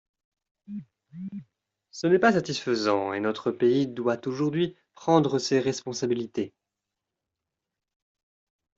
Ce n’est pas satisfaisant et notre pays doit aujourd’hui prendre ses responsabilités.